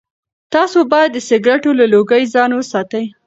تاسي باید د سګرټو له لوګي ځان وساتئ.